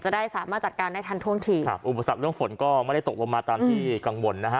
ได้สามารถจัดการได้ทันท่วงทีครับอุปสรรคเรื่องฝนก็ไม่ได้ตกลงมาตามที่กังวลนะฮะ